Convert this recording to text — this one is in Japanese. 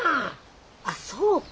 あっそうか。